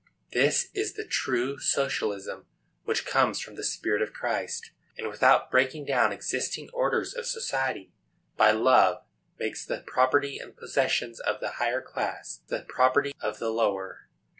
This is the true socialism, which comes from the spirit of Christ, and, without breaking down existing orders of society, by love makes the property and possessions of the higher class the property of the lower.